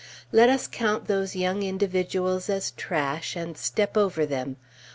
Let us count those young individuals as trash, and step over them.